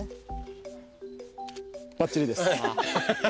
バッチリです。